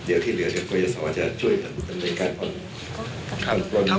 เดี๋ยวที่เหลือเดี๋ยวก็ยศจะช่วยกันเป็นใดกันครับ